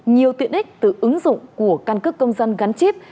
nhiều tiện ích từ ứng dụng của căn cước công dân gắn chip